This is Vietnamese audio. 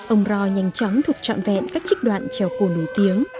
ông ro nhanh chóng thuộc trọn vẹn các trích đoạn trèo cổ nổi tiếng